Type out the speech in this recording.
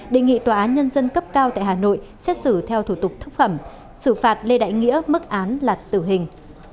đề nghị tòa án nhân dân cấp cao tại hà nội xét xử theo thủ tục thức phẩm xử phạt lê đại nghĩa mức án là tử hình